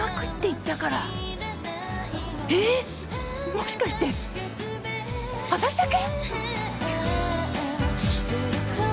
もしかしてわたしだけ？